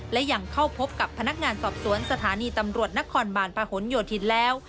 และยังเข้าพบกับพนักงานสอบสวนสถานีตำรวจนครบาลพะหนโยธินแล้ว